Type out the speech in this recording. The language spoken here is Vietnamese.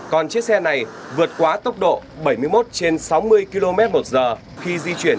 còn chiếc xe này vượt quá tốc độ bảy mươi một trên sáu mươi km một giờ khi di chuyển